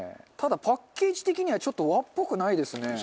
ただパッケージ的にはちょっと和っぽくないですね。